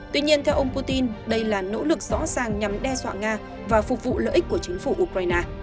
tuy nhiên theo ông putin đây là nỗ lực rõ ràng nhằm đe dọa nga và phục vụ lợi ích của chính phủ ukraine